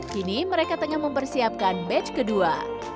kini mereka tengah mempersiapkan batch kedua